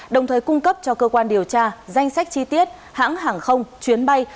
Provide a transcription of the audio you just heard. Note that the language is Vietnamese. đồng thời cung cấp cho cơ quan điều tra danh sách chi tiết hãng hàng không chuyến bay